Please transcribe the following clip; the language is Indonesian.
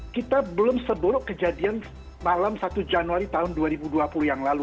kita belum seburuk kejadian malam satu januari tahun dua ribu dua puluh yang lalu